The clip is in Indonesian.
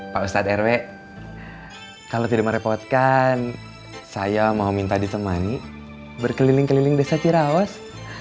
pak ustadz rw kalau tidak merepotkan saya mau minta ditemani berkeliling keliling desa ciraos